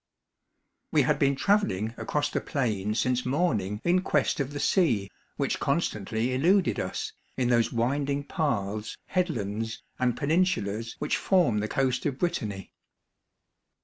We had been travelling across the plain since morning in quest of the sea, which constantly eluded us, in those winding paths, headlands, and peninsulas which form the coast of Britanny.